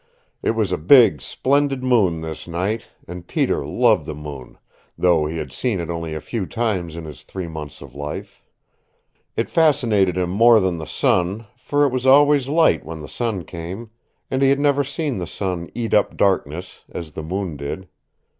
It was a big, splendid moon this night, and Peter loved the moon, though he had seen it only a few times in his three months of life. It fascinated him more than the sun, for it was always light when the sun came, and he had never seen the sun eat up darkness, as the moon did.